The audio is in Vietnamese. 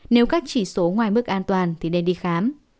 nếu các chỉ số ngoài mức an toàn thì nên đi khám